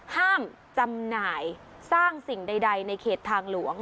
ห้ามจำหน่ายสร้างสิ่งใดในเขตทางหลวง